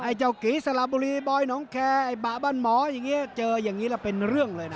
เจ้ากีสละบุรีบอยน้องแคร์ไอ้บะบ้านหมออย่างนี้เจออย่างนี้แล้วเป็นเรื่องเลยนะ